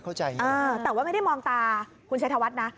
แต่ว่าไม่ได้มองตาคุณชายธวัตรนะ